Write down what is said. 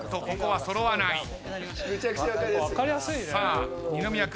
ここは揃わない。